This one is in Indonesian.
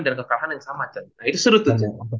dan kekalahan yang sama nah itu seru tuh